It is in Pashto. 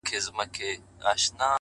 • دوست اشارې ته ګوري او دښمن وارې ته ,